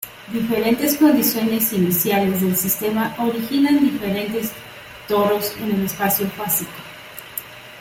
Diferentes condiciones iniciales del sistema originan diferentes toros en el espacio fásico.